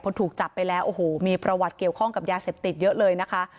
พอถูกจับไปแล้วโอ้โหมีประวัติเกี่ยวข้องกับยาเสพติดเยอะเลยนะคะ